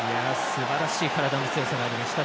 すばらしい体の強さがありました